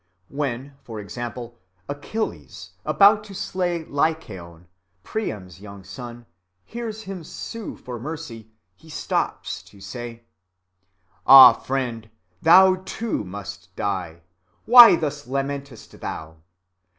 When, for example, Achilles, about to slay Lycaon, Priam's young son, hears him sue for mercy, he stops to say:— "Ah, friend, thou too must die: why thus lamentest thou?